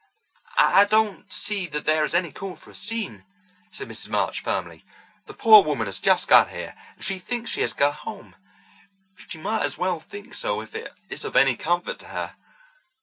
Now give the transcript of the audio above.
"I don't see that there is any call for a scene," said Mrs. March firmly. "The poor woman has just got here, and she thinks she has got home. She might as well think so if it is of any comfort to her.